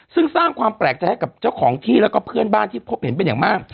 ซึ่งสร้างความแปลกใจให้กับเจ้าของที่แล้วก็เพื่อนบ้านที่พบเห็นเป็นอย่างมาก